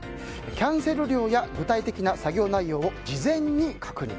キャンセル料や具体的な作業内容を事前に確認。